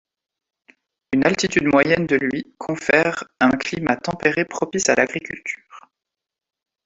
Une altitude moyenne de lui confère un climat tempéré propice à l'agriculture.